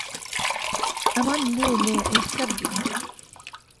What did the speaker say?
ئەمان لێلێ ئەی سەبرییە